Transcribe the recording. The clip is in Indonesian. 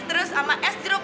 terus sama es jeruk